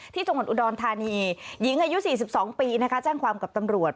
ที่จังหวัดอุดรธานีหญิงอายุ๔๒ปีนะคะแจ้งความกับตำรวจ